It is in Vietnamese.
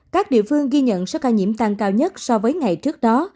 các địa phương ghi nhận số ca nhiễm tăng cao nhất so với ngày trước đó